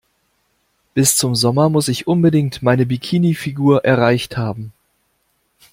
Bis zum Sommer muss ich unbedingt meine Bikini-Figur erreicht haben.